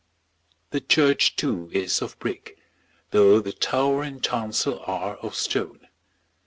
The church, too, is of brick though the tower and chancel are of stone.